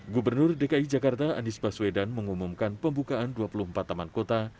gubernur dki jakarta anies baswedan mengumumkan pembukaan dua puluh empat taman kota